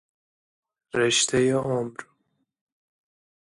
رشته عمر